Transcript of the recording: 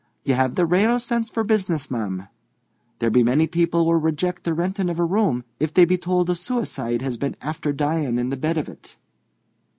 Ye have the rale sense for business, ma'am. There be many people will rayjict the rentin' of a room if they be tould a suicide has been after dyin' in the bed of it."